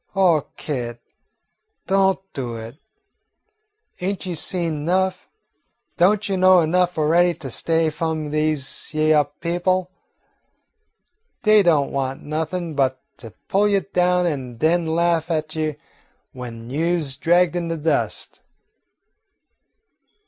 Oh, Kit, don't do it. Ain't you seen enough? Don't you know enough already to stay away f'om dese hyeah people? Dey don't want nothin' but to pull you down an' den laugh at you w'en you 's dragged in de dust."